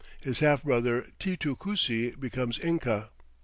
His half brother Titu Cusi becomes Inca.